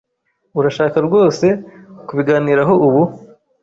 Urashaka rwose kubiganiraho ubu?